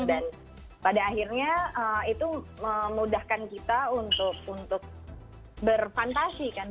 dan pada akhirnya itu memudahkan kita untuk berfantasi kan